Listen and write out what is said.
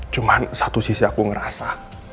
cuma satu sisi aku ngerasa